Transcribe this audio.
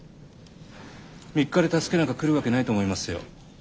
３日で助けなんか来るわけないと思いますよ。